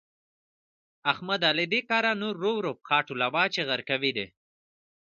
احمده؛ له دې کاره نور ورو ورو پښه ټولوه چې غرقوي دي.